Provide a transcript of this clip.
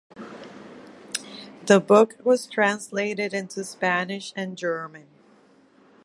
The book was translated into Spanish and German.